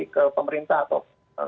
ke pemerintah atau